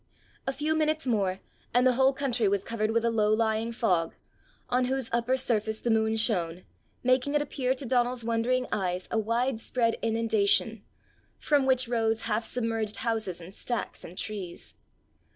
A few minutes more, and the whole country was covered with a low lying fog, on whose upper surface the moon shone, making it appear to Donal's wondering eyes a wide spread inundation, from which rose half submerged houses and stacks and trees.